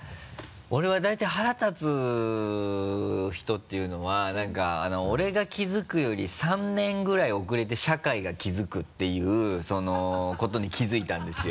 俺は大体腹立つ人っていうのは何か俺が気づくより３年ぐらい遅れて社会が気づくっていうことに気づいたんですよ。